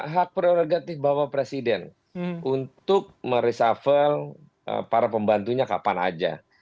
hak prerogatif bapak presiden untuk meresafel para pembantunya kapan aja